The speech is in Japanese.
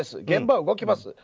現場は動きます。